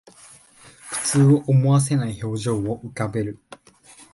苦痛を思わせない表情を浮かべる